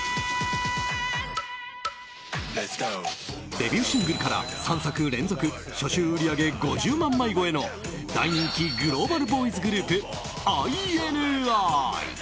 デビューシングルから３作連続初週売り上げ５０万枚超えの大人気グローバルボーイズグループ、ＩＮＩ。